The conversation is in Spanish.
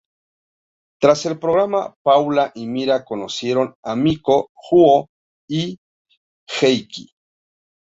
Tras el programa, Paula y Mira conocieron a Mikko, Juho, y Heikki.